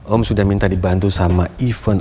om sudah minta dibantu sama event